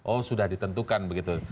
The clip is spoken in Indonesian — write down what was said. oh sudah ditentukan begitu